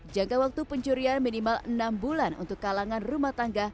jangka waktu pencurian minimal enam bulan untuk kalangan rumah tangga